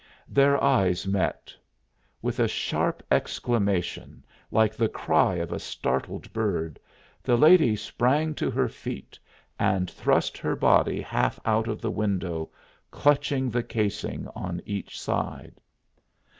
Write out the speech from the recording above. Their eyes met. With a sharp exclamation, like the cry of a startled bird, the lady sprang to her feet and thrust her body half out of the window, clutching the casing on each side.